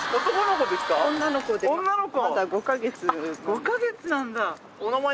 ５か月なんだ。